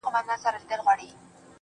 درته خبره كوم.